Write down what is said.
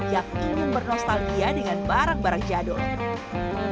yang ingin bernostalgia dengan barang barang jadul